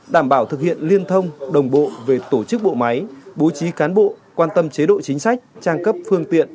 đảm bảo thực hiện liên thông đồng bộ về tổ chức bộ máy bố trí cán bộ quan tâm chế độ chính sách trang cấp phương tiện